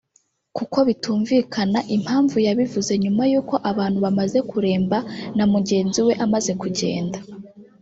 kuko bitumvikana impamvu yabivuze nyuma y’uko abantu bamaze kuremba na mugenzi we amaze kugenda